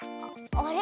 あれ？